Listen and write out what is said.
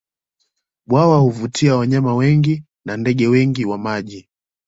Bwawa huvutia wanyama wengi na ndege wengi wa maji